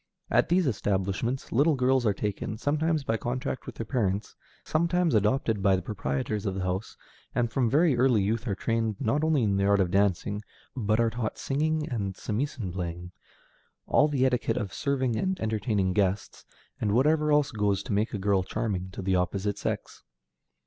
At these establishments little girls are taken, sometimes by contract with their parents, sometimes adopted by the proprietors of the house, and from very early youth are trained not only in the art of dancing, but are taught singing and samisen playing, all the etiquette of serving and entertaining guests, and whatever else goes to make a girl charming to the opposite sex.